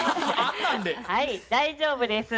はい大丈夫です。